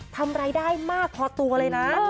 ทำรายได้มากพอตัวเลยนะ